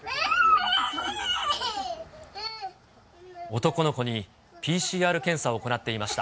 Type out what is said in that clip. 男の子にＰＣＲ検査を行っていました。